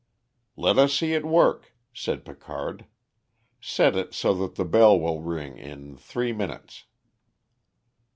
"Let us see it work," said Picard; "set it so that the bell will ring in three minutes."